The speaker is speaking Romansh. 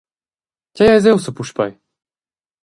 Tgei eis ei ussa puspei?